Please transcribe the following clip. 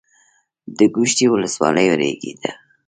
د ګوشتې ولسوالۍ ریګي ده